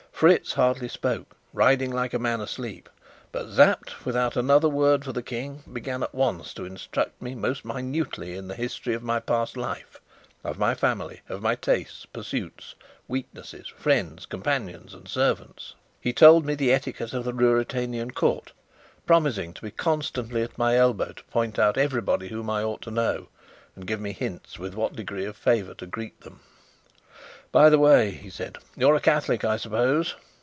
Fritz hardly spoke, riding like a man asleep, but Sapt, without another word for the King, began at once to instruct me most minutely in the history of my past life, of my family, of my tastes, pursuits, weaknesses, friends, companions, and servants. He told me the etiquette of the Ruritanian Court, promising to be constantly at my elbow to point out everybody whom I ought to know, and give me hints with what degree of favour to greet them. "By the way," he said, "you're a Catholic, I suppose?"